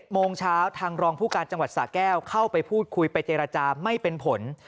โมงเช้าทางรองผู้การจังหวัดสะแก้วเข้าไปพูดคุยไปเจรจาไม่เป็นผล